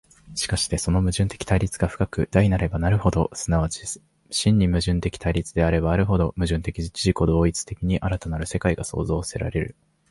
しかしてその矛盾的対立が深く大なればなるほど、即ち真に矛盾的対立であればあるほど、矛盾的自己同一的に新たなる世界が創造せられる。